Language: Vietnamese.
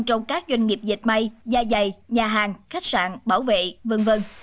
trong các doanh nghiệp dịch may gia dày nhà hàng khách sạn bảo vệ v v